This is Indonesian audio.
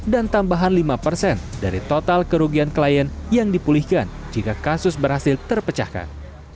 dan tambahan lima dari total kerugian klien yang dipulihkan jika kasus berhasil terpecahkan